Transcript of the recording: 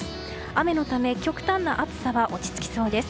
雨のため、極端な暑さは落ち着きそうです。